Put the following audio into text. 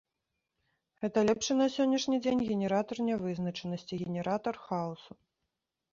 Гэта лепшы на сённяшні дзень генератар нявызначанасці, генератар хаосу.